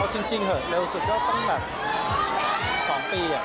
เอาจริงเหรอเร็วสุดก็ต้องแบบสองปี